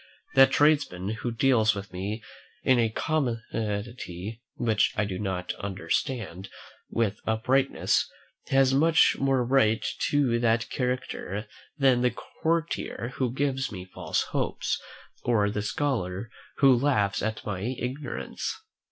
That tradesman who deals with me in a commodity which I do not understand, with uprightness, has much more right to that character than the courtier who gives me false hopes, or the scholar who laughs at my ignorance.